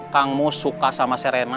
kang mus suka sama serena